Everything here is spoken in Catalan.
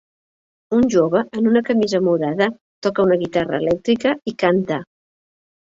Un jove en una camisa Morada toca una guitarra elèctrica i canta.